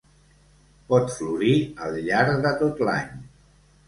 Pot florir al llarg de tot l'any.